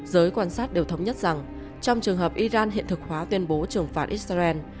giới quan sát đều thống nhất rằng trong trường hợp iran hiện thực hóa tuyên bố trừng phạt israel